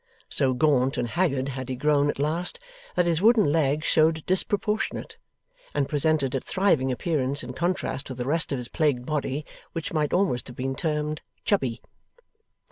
So gaunt and haggard had he grown at last, that his wooden leg showed disproportionate, and presented a thriving appearance in contrast with the rest of his plagued body, which might almost have been termed chubby.